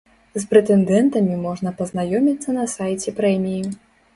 З прэтэндэнтамі можна пазнаёміцца на сайце прэміі.